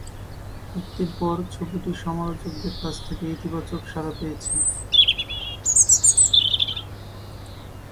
মুক্তির পর ছবিটি সমালোচকদের কাছ থেকে ইতিবাচক সাড়া পেয়েছে।